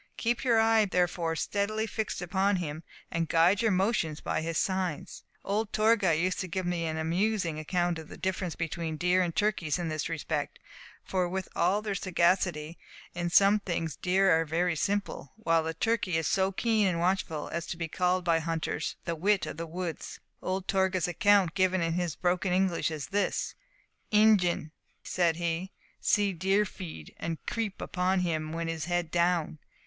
Keep your eye therefore steadily fixed upon him, and guide your motions by his signs. Old Torgah used to give me an amusing account of the difference between deer and turkeys in this respect; for, with all their sagacity, in some things deer are very simple, while the turkey is so keen and watchful as to be called by hunters 'the wit of the woods.' Old Torgah's account, given in his broken English is this: ''Ingin,' said he, 'see deer feed, and creep on him when his head down.